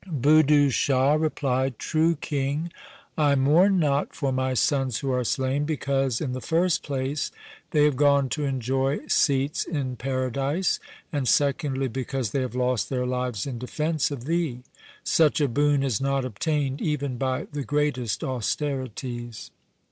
Budhu Shah replied, ' True king, I mourn not for my sons who are slain, because, in the first place, they have gone to enjoy seats in paradise, and, secondly, because they have lost their lives in defence of thee. Such a boon is not obtained even by the greatest austerities.'